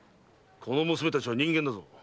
この娘たちは人間だぞ。